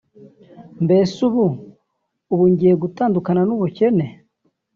mbese ubu ubu ngiye gutandukana n’ubukene